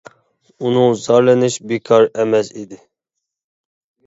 ئۇنىڭ زارلىنىش بىكار ئەمەس ئىدى.